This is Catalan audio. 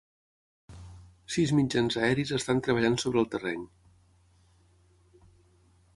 Sis mitjans aeris estan treballant sobre el terreny.